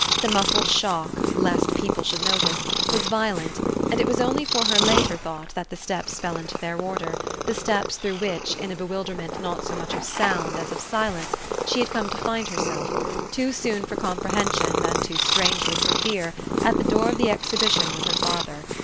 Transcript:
The muffled shock lest people should notice was violent, and it was only for her later thought that the steps fell into their order, the steps through which, in a bewilderment not so much of sound as of silence, she had come to find herself, too soon for comprehension and too strangely for fear, at the door of the Exhibition with her father.